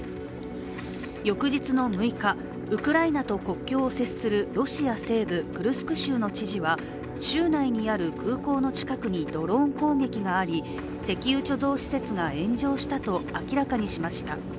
翌日の６日、ウクライナと国境を接するロシア西部クルスク州の知事は州内にある空港の近くにドローン攻撃があり、石油貯蔵施設が炎上したと明らかにしました。